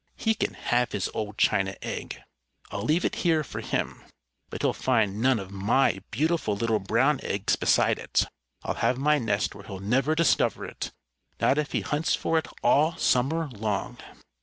He can have his old china egg. I'll leave it here for him. But he'll find none of my beautiful little brown eggs beside it. I'll have my nest where he'll never discover it not if he hunts for it all summer long!"